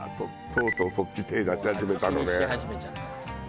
とうとうそっち手出し始めたのね。